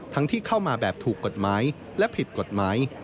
ที่เข้ามาแบบถูกกฎหมายและผิดกฎหมาย